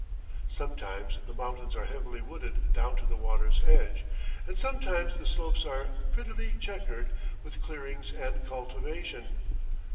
Sometimes the mountains are heavily wooded down to the water's edge, and sometimes the slopes are prettily chequered with clearings and cultivation.